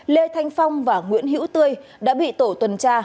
lê thanh phong và nguyễn hữu tươi đã bị tổ tuần tra